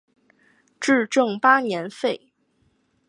至正八年废。